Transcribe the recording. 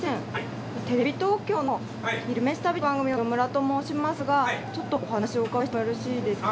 テレビ東京の「昼めし旅」という番組の豊村と申しますがちょっとお話をお伺いしてもよろしいですか？